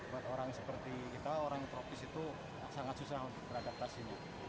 buat orang seperti kita orang tropis itu sangat susah untuk beradaptasinya